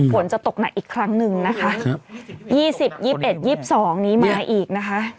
ฝนจะตกหนักอีกครั้งหนึ่งนะคะ๒๐๒๑๒๒นี้มาอีกนะคะ